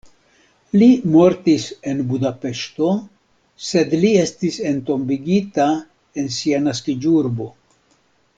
Li mortis en Budapeŝto, sed li estis entombigita en sia naskiĝurbo.